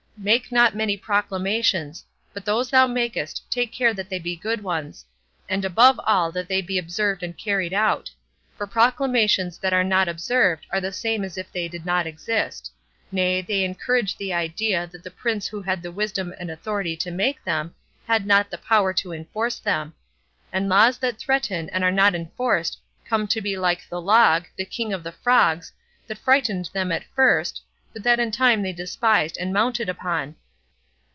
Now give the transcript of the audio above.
Make not many proclamations; but those thou makest take care that they be good ones, and above all that they be observed and carried out; for proclamations that are not observed are the same as if they did not exist; nay, they encourage the idea that the prince who had the wisdom and authority to make them had not the power to enforce them; and laws that threaten and are not enforced come to be like the log, the king of the frogs, that frightened them at first, but that in time they despised and mounted upon.